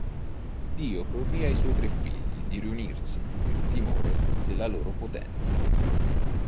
Dio proibì ai suoi tre figli di riunirsi, per timore della loro potenza.